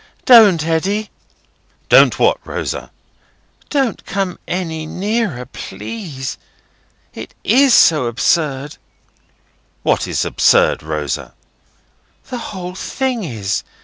"Don't, Eddy!" "Don't what, Rosa?" "Don't come any nearer, please. It is so absurd." "What is absurd, Rosa?" "The whole thing is.